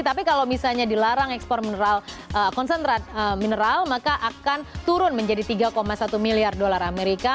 tapi kalau misalnya dilarang ekspor mineral konsentrat mineral maka akan turun menjadi tiga satu miliar dolar amerika